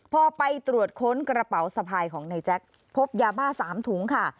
พอไปตรวจค้นกระเป๋าสะพายของนายแจ๊คพบยาบ้า๓ถุงค่ะ